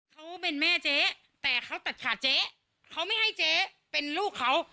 เขาเป็นแม่เจ๊แต่เขาตัดขาดเจ๊เขาไม่ให้เจ๊เป็นลูกเขา